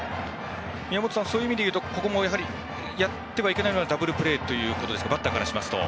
宮本さん、そういう意味でいうとここもやってはいけないのはダブルプレーということですかバッターからすると。